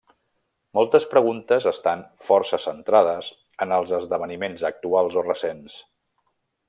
Moltes preguntes estan força centrades en els esdeveniments actuals o recents.